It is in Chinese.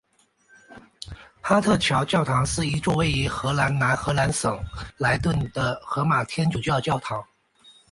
哈特桥教堂是一座位于荷兰南荷兰省莱顿的罗马天主教教堂。